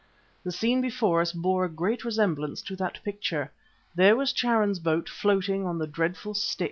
The scene before us bore a great resemblance to that picture. There was Charon's boat floating on the dreadful Styx.